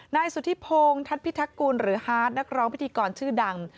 นายสุธิพงศ์ทัศน์พิทักกุลหรือฮาร์ดนักร้องพิธีกรชื่อดัง